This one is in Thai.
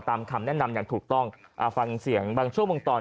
คำแนะนำอย่างถูกต้องอ่าฟังเสียงบางช่วงบางตอน